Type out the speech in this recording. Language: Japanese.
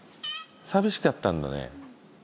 寂しかったんだね。